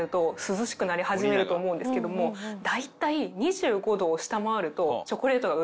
だいたい。